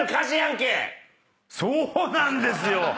そうなんですよ！